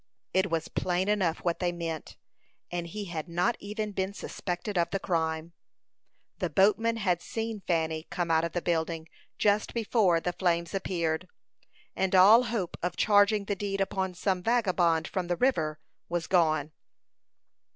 It was plain enough what they meant, and he had not even been suspected of the crime. The boatman had seen Fanny come out of the building just before the flames appeared, and all hope of charging the deed upon some vagabond from the river was gone.